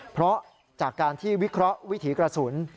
เพราะจากการที่วิเคราะห์วิถีกระสุน